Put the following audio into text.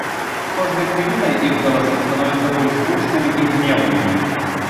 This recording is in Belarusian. З кожнай хвілінай іх галасы становяцца больш гучнымі і гнеўнымі.